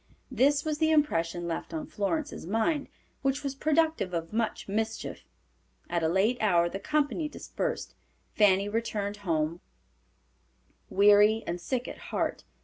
This was the impression left on Florence's mind, which was productive of much mischief. At a late hour the company dispersed. Fanny returned home, weary and sick at heart.